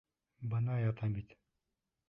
Бына ята бит.